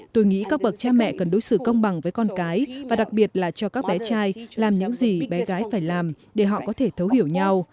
tôi nghĩ các bậc cha mẹ cần đối xử công bằng với con cái và đặc biệt là cho các bé trai làm những gì bé gái phải làm để họ có thể thấu hiểu nhau